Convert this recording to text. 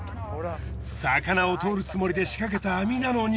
魚を獲るつもりでしかけた網なのに。